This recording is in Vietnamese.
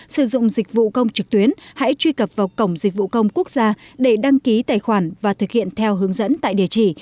sử dụng dịch vụ công trực tuyến hãy truy cập vào cổng dịch vụ công quốc gia để đăng ký tài khoản và thực hiện theo hướng dẫn tại địa chỉ